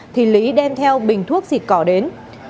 thì lý đem theo bình thuốc xịt cỏ đến